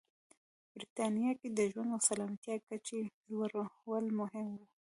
په برېټانیا کې د ژوند او سلامتیا کچې لوړول مهم و.